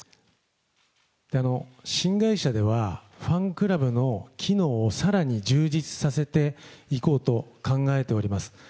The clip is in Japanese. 新会社では、ファンクラブの機能をさらに充実させていこうと考えております。